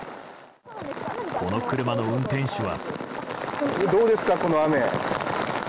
この車の運転手は。